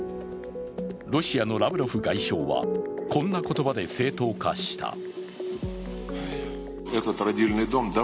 ロシアのラブロフ外相は、こんな言葉で正当化した。